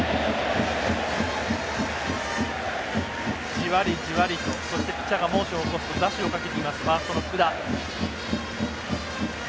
じわりじわりとそしてピッチャーがモーションを起こしてダッシュをかけていますファーストの福田。